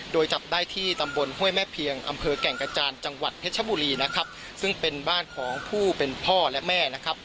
โดยจับได้ที่ตำบลห้วยแม่เพียงอำเภอแก่งกระจานจังหวัดเพชรบุรีนะครับซึ่งเป็นบ้านของผู้เป็นพ่อและแม่นะครับ